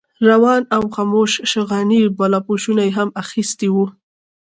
روان او خموش شغناني بالاپوشونه یې هم اخیستي وو.